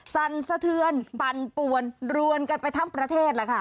สั่นสะเทือนปั่นปวนรวนกันไปทั้งประเทศแล้วค่ะ